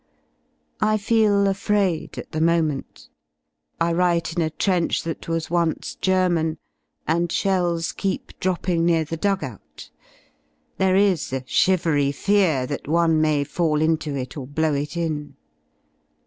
I feel afraid at the moment. I write in a trench that was once German, and shells keep dropping near the dug out. There is a shivery fear that one may fall into it or blow it In.